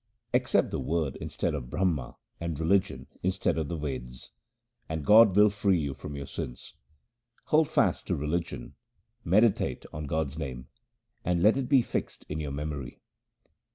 2 Accept the Word instead of Brahma and religion instead of the Veds, And God will free you from your sins. Hold fast to religion, meditate on God's name, and let it be fixed in your memory.